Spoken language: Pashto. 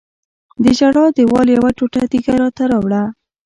د ژړا دیوال یوه ټوټه تیږه راته راوړه.